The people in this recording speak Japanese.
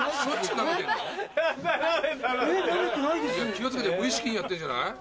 気を付けて無意識にやってんじゃない？